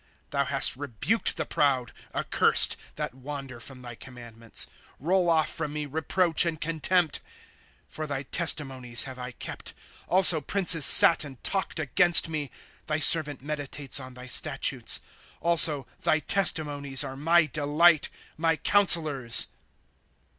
i Thou hast rebuked the proud, accursed, That wander from thy commandments. ■2 Roll off from me reproach and contempt ; For thy testimonies have I kept. i3 Also princes sat and talked against me ; Thy servant meditates on thy statutes. !* Also thy testimonies are my delight, My counselors.